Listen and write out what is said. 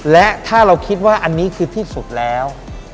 และถ้าเราคิดว่าอันนี้คือที่สุดแล้ว